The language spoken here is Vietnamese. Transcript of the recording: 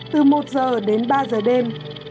từ một giờ đến ba giờ đêm